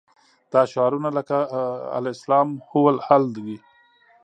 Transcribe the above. دا شعارونه لکه الاسلام هو الحل دي.